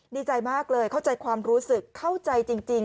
ดีใจมากเลยเข้าใจความรู้สึกเข้าใจจริง